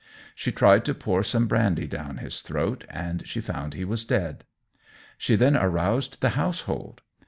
She tried to pour some brandy down his throat, and she found he was dead. She then aroused the household.